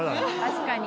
確かに。